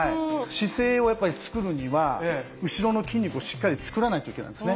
姿勢を作るには後ろの筋肉をしっかり作らないといけないんですね。